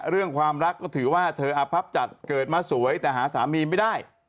เรื่องความรักก็ถือว่าเธออภับจัดเกิดมาสวยแต่หาสามีไม่ได้